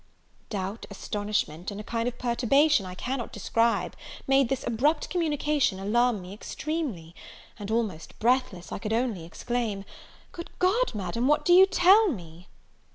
Doubt, astonishment, and a kind of perturbation I cannot describe, made this abrupt communication alarm me extremely; and, almost breathless, I could only exclaim, "Good God, Madam, what do you tell me!"